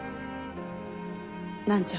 何じゃ？